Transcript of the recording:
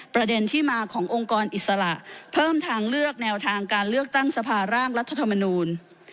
ประเด็นที่มาขององค์กรอิสระเพิ่มทางเลือกแนวทางการเลือกตั้งสภาร่างรัฐธรรมนูล